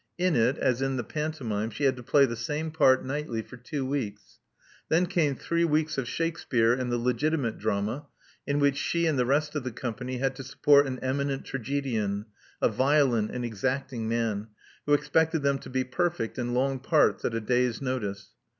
In it, as in the pantomime, she had to play the same part nightly for two weeks. Then came three weeks of Shakspere and the legitimate drama, in which she and the rest of the company had to support an eminent tragedian, a violent and exacting man, who expected them to be perfect in long parts at a day's notice.